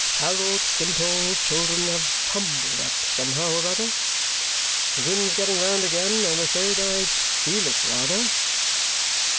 Harold Skimpole's children have tumbled up somehow or other. The wind's getting round again, I am afraid. I feel it rather!"